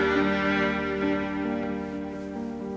kenapa andin udah tidur sih